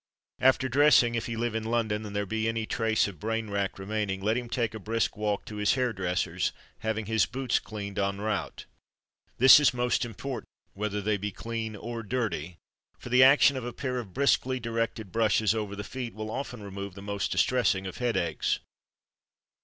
After dressing, if he live in London and there be any trace of brain rack remaining, let him take a brisk walk to his hair dresser's, having his boots cleaned en route. This is most important, whether they be clean or dirty; for the action of a pair of briskly directed brushes over the feet will often remove the most distressing of headaches.